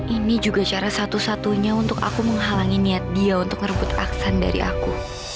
ini juga cara satu satunya untuk aku menghalangi niat dia untuk merebut aksan dari aku